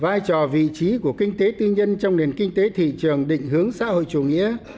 vai trò vị trí của kinh tế tư nhân trong nền kinh tế thị trường định hướng xã hội chủ nghĩa